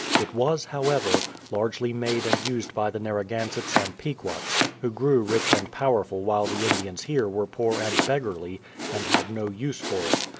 It was, however, largely made and used by the Narra gansetts and Pequots, who grew rich and powerful while the Indians here were poor and beggarly, and had no use for it.